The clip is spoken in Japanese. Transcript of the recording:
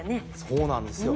そうなんですよ。